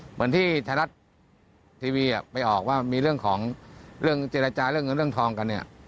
เหมือนที่ไทยรัฐทีวีไปออกว่ามีเรื่องของเรื่องเจรจาเรื่องเงินเรื่องทองกันเนี่ย